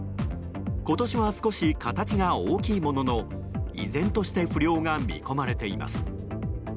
今年は少し形が大きいものの依然として不漁が見込まれています。